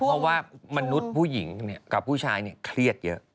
เพราะว่ามนุษย์ผู้หญิงกับผู้ชายเครียดเยอะ